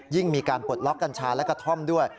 มีการปลดล็อกกัญชาและกระท่อมด้วย